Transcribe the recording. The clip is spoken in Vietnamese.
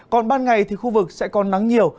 còn ban ngày thì khu vực sẽ có nắng nhiều